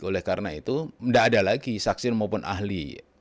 oleh karena itu tidak ada lagi saksi maupun ahli